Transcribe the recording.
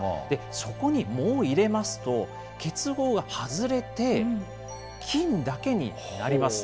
そこに藻を入れますと、結合が外れて、金だけになります。